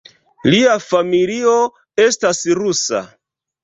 Lia familio estas rusa.